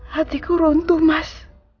hatiku runtuh mas